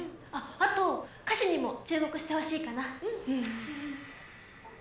あと歌詞にも注目してほしいかな